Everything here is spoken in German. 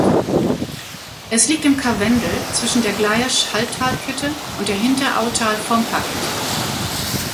Es liegt im Karwendel zwischen der Gleirsch-Halltal-Kette und der Hinterautal-Vomper-Kette.